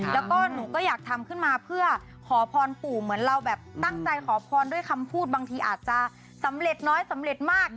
แล้วก็หนูก็อยากทำขึ้นมาเพื่อขอพรปู่เหมือนเราแบบตั้งใจขอพรด้วยคำพูดบางทีอาจจะสำเร็จน้อยสำเร็จมาก